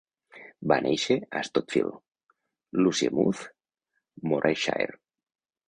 Va néixer a Stotfield, Lossiemouth, Morayshire.